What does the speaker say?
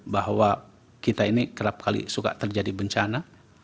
bahwa kita ini kerap kali suka terjadi bencana